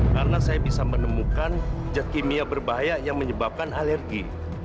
karena saya bisa menemukan jet kimia berbahaya yang menyebabkan alergi